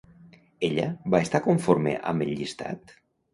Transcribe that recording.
Ella va estar conforme amb el llistat?